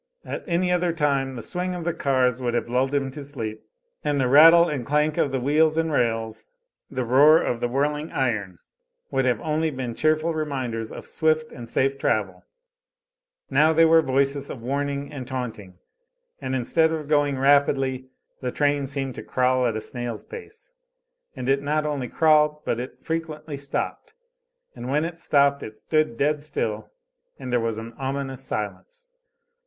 At any other time the swing of the cars would have lulled him to sleep, and the rattle and clank of wheels and rails, the roar of the whirling iron would have only been cheerful reminders of swift and safe travel. Now they were voices of warning and taunting; and instead of going rapidly the train seemed to crawl at a snail's pace. And it not only crawled, but it frequently stopped; and when it stopped it stood dead still and there was an ominous silence.